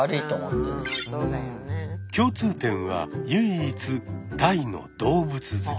共通点は唯一「大の動物好き」。